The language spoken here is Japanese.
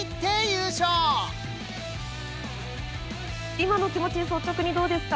今の気持ち率直にどうですか？